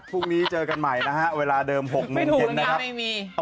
พรุ่งนี้เจอกันใหม่นะคะเวลาเดิม๖๑๕นะครับ